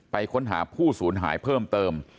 ไปค้นหาผู้ศูนย์หายเพิ่มเติม